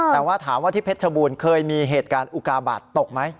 แต่ว่าถามว่าที่เพชรชบูรณ์เคยมีเหตุการณ์อุกาบาทตกไหม